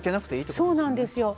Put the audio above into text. そうなんですよ。